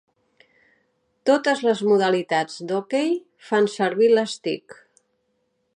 Totes les modalitats d'hoquei fan servir l'estic.